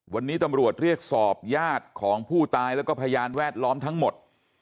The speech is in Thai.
วันนี้ตำรวจเรียกสอบญาติของผู้ตายแล้วก็พยานแวดล้อมทั้งหมด